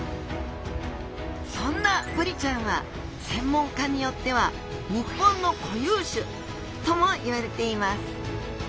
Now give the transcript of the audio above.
そんなブリちゃんは専門家によっては日本の固有種ともいわれています